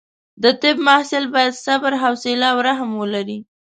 د طب محصل باید صبر، حوصله او رحم ولري.